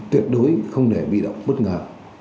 tuyệt đối không để bị động bất ngờ